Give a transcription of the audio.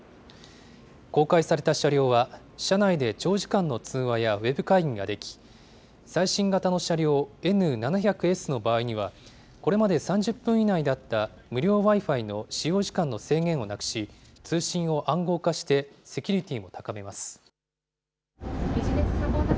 公開された車両は、車内で長時間の通話やウェブ会議ができ、最新型の車両、Ｎ７００Ｓの場合には、これまで３０分以内だった無料Ｗｉ−Ｆｉの使用時間の制限をなくし、通信を暗号化して、セキュリティーを高めます。